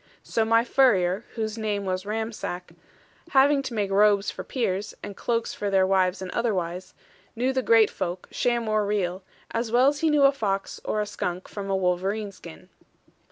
So my furrier (whose name was Ramsack), having to make robes for peers, and cloaks for their wives and otherwise, knew the great folk, sham or real, as well as he knew a fox or skunk from a wolverine skin.